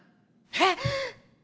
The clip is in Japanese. えっ！